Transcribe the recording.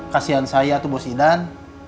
kasian saya tuh bos idan